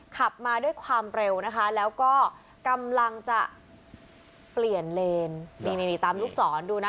ขับมาด้วยความเร็วนะคะแล้วก็กำลังจะเปลี่ยนเลนนี่นี่ตามลูกศรดูนะ